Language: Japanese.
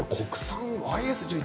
国産、ＹＳ１１